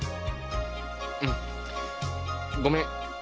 うん。ごめん。